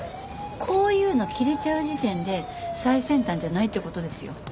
こういうの着れちゃう時点で最先端じゃないって事ですよ。